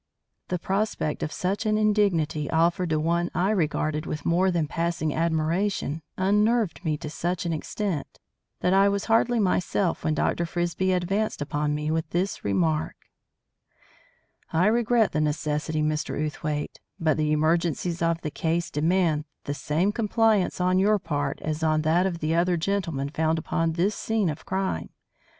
The prospect of such an indignity offered to one I regarded with more than passing admiration unnerved me to such an extent that I was hardly myself when Dr. Frisbie advanced upon me with this remark: "I regret the necessity, Mr. Outhwaite; but the emergencies of the case demand the same compliance on your part as on that of the other gentlemen found upon this scene of crime.